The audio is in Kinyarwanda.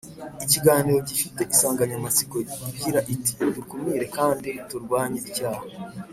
ikiganiro gifite insangamatsiko igira iti Dukumire kandi turwanye icyaha